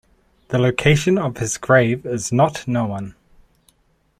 The location of his grave is not known.